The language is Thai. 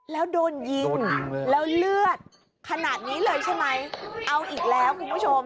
แล้วโดนยิงแล้วเลือดขนาดนี้เลยใช่ไหมเอาอีกแล้วคุณผู้ชม